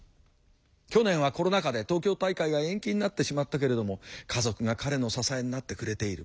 去年はコロナ禍で東京大会が延期になってしまったけれども家族が彼の支えになってくれている。